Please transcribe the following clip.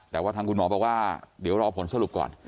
แต่ว่าทางคุณหมอบอกว่าเดี๋ยวรอผลสรุปก่อน